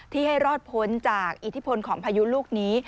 ให้รอดพ้นจากอิทธิพลของพายุลูกนี้